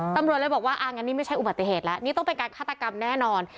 ตำรวจเลยบอกว่าอ่างั้นนี่ไม่ใช่อุบัติเหตุแล้วนี่ต้องเป็นการฆาตกรรมแน่นอน